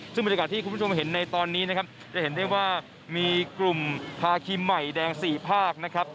ซึ่งบริการที่คุณผู้ชมเห็นในตอนนี้จะเห็นได้ว่ามีกลุ่มพาขี้ใหม่แดง๔ภาค